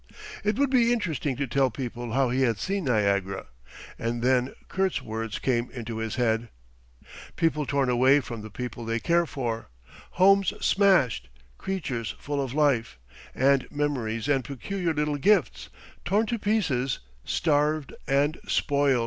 It would be interesting to tell people how he had seen Niagara. And then Kurt's words came into his head: "People torn away from the people they care for; homes smashed, creatures full of life and memories and peculiar little gifts torn to pieces, starved, and spoilt."...